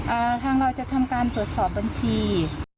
ทางเราจะทำการตรวจสอบบัญชี